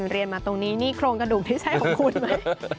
เรียนมาตรงนี้นี่โครงกระดูกที่ใช่ของคุณไหม